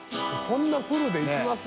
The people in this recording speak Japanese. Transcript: こんなフルでいきます？